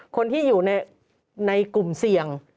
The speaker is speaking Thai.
คนที่อยู่ในกลุ่มเสี่ยง